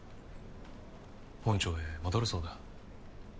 本庁へ戻るそうだ。